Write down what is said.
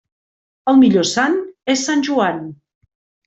El millor sant és Sant Joan.